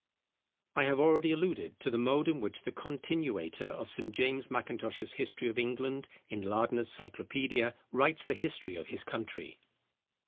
I have already alluded to the mode, in which the continuator of Sir James Mackintosh's History of England in Lardner's Cyclopædia, writes the history of his country.